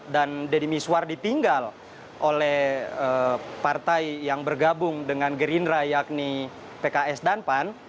deddy miswar ditinggal oleh partai yang bergabung dengan gerindra yakni pks dan pan